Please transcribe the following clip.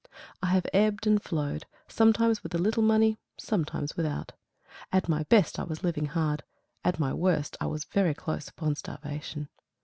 I have ebbed and flowed, sometimes with a little money, sometimes without. At my best I was living hard, at my worst I was very close upon starvation.